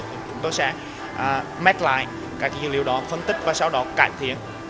chúng tôi sẽ make lại các dữ liệu đó phân tích và sau đó cải thiện